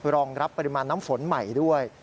รองรับปริมาณน้ำฝนใหม่ด้วย